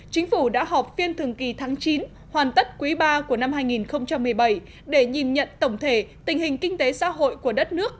chính phủ đã họp phiên thường kỳ tháng chín hoàn tất quý ba của năm hai nghìn một mươi bảy để nhìn nhận tổng thể tình hình kinh tế xã hội của đất nước